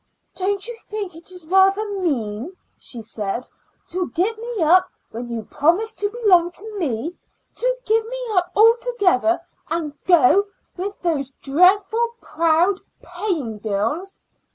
"Don't you think it is rather mean," she said, "to give me up when you promised to belong to me to give me up altogether and to go with those dreadful, proud paying girls?"